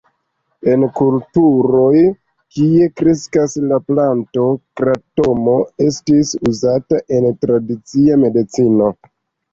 En kulturoj, kie kreskas la planto, kratomo estis uzata en tradicia medicino.